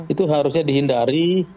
itu harusnya dihindari